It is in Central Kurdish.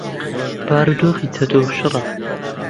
بارودۆخی چەتۆ شڕە.